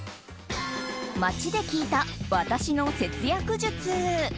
街で聞いた、私の節約術。